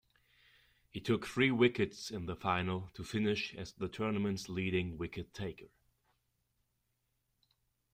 He took three wickets in the final to finish as the tournament's leading wicket-taker.